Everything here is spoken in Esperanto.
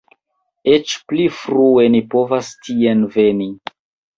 Eĉ pli frue ni povas tien veni!